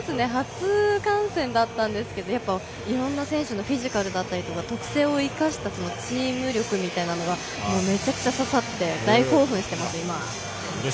初観戦だったんですけどいろんなチームの特性を生かしたチーム力みたいなのがめちゃくちゃささって大興奮しています。